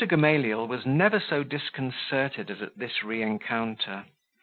Gamaliel was never so disconcerted as at this reencounter.